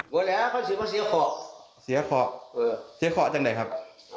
ตอนใช้พิธีให้เห็นข้างใดครับ